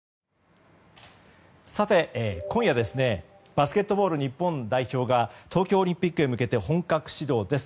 さて、今夜バスケットボール日本代表が東京オリンピックへ向けて本格始動です。